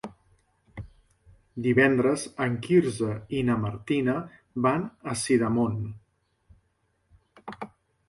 Divendres en Quirze i na Martina van a Sidamon.